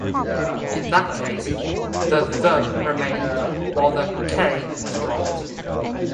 In that case, the "th" remained while the "k" was dropped.